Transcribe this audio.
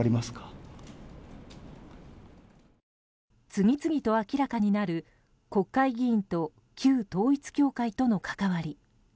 次々と明らかになる国会議員と旧統一教会との関わり。